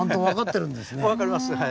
分かります。